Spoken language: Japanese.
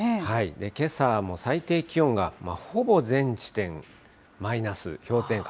けさはもう最低気温がほぼ全地点、マイナス、氷点下。